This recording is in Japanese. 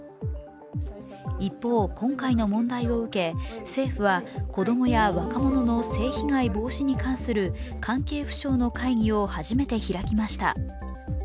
一方、今回の問題を受け、政府は子供や若者の性被害防止に関する関係府省の会議を初めて開きました。